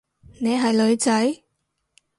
你係女仔？